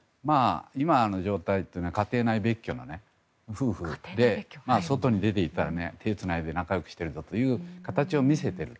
今の状態というのは家庭内別居の夫婦で外に出て行ったら手つないで仲良くしているという形を見せている。